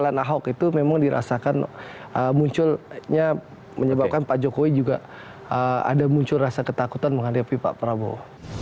ahok itu memang dirasakan munculnya menyebabkan pak jokowi juga ada muncul rasa ketakutan menghadapi pak prabowo